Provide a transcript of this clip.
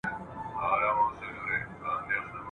چي کیسې اورم د هیوادونو ..